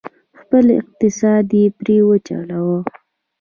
خپل اقتصاد یې پرې وچلوه،